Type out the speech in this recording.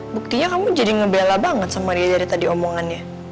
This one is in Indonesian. buktinya kamu jadi ngebela banget sama ria dari tadi omongannya